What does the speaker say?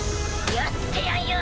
やってやんよ。